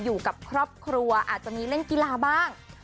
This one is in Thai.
อยู่กับครอบครัวอาจจะมีเล่นกีฬาบ้าง